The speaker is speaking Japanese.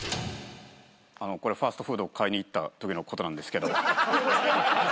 あのこれファストフード買いに行ったときのことなんですけど。